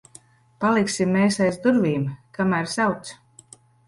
Paliksim mēs aiz durvīm, kamēr sauc.